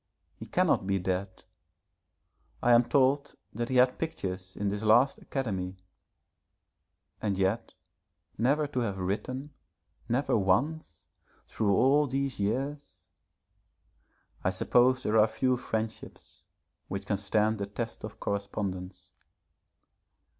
He cannot be dead. I am told that he had pictures in this last Academy and yet, never to have written never once, through all these years. I suppose there are few friendships which can stand the test of correspondence.